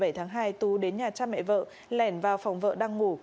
dạng sáng ngày một mươi bảy tháng hai tú đến nhà cha mẹ vợ lèn vào phòng vợ đang ngủ